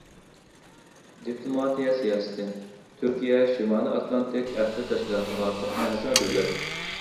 دىپلوماتىيە سىياسىتى: تۈركىيە شىمالىي ئاتلانتىك ئەھدى تەشكىلاتىغا ئەزا دۆلەت.